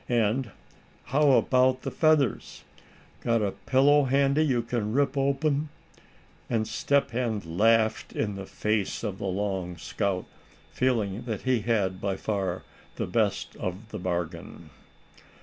And how about the feathers got a pillow handy you can rip open?" and Step Hen laughed in the face of the long scout, feeling that he had by far the best of the bargain.